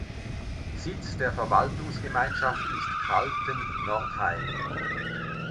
Sitz der Verwaltungsgemeinschaft ist Kaltennordheim.